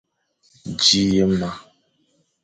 Dji ye ma.